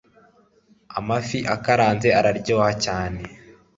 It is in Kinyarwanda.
Amafi akaranze araryoha cyane